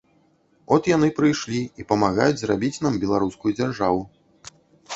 От яны прыйшлі і памагаюць зрабіць нам беларускую дзяржаву.